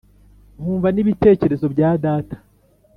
nkumva n’ibitekerezo bya data.